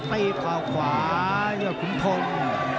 ตีขวาคุณพงศ์